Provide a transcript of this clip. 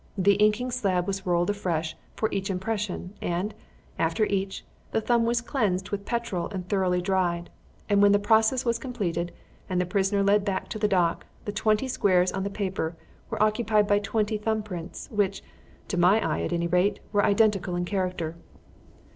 The inking slab was rolled afresh for each impression, and, after each, the thumb was cleansed with petrol and thoroughly dried; and when the process was completed and the prisoner led back to the dock, the twenty squares on the paper were occupied by twenty thumb prints, which, to my eye, at any rate, were identical in character.